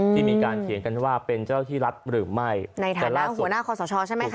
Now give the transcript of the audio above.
ที่มีการเถียงกันว่าเป็นเจ้าที่รัฐหรือไม่ในฐานะหัวหน้าคอสชใช่ไหมคะ